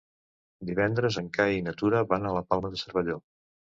Divendres en Cai i na Tura van a la Palma de Cervelló.